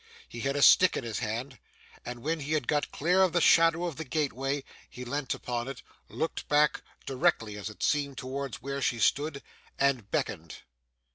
He had a stick in his hand, and, when he had got clear of the shadow of the gateway, he leant upon it, looked back directly, as it seemed, towards where she stood and beckoned.